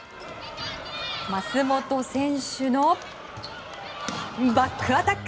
マスモト選手のバックアタック。